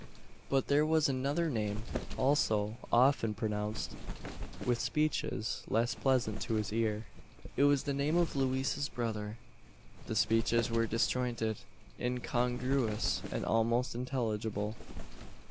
But there was another name also often pronounced with speeches less pleasant to his ear. It was the name of Louise's brother. The speeches were disjointed incongruous, and almost unintelligible.